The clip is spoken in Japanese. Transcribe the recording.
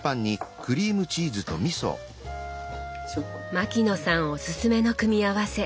牧野さんおすすめの組み合わせ。